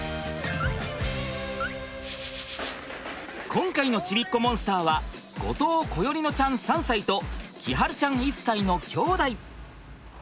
今回のちびっこモンスターは後藤心縁乃ちゃん３歳と輝会ちゃん１歳のきょうだい。